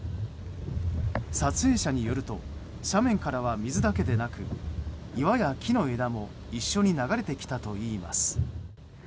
撮影者によると斜面からは水だけでなく岩や木の枝も一緒に流れてきたといいます。